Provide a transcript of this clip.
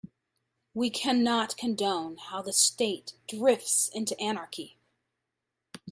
We cannot condone how the state drifts into anarchy.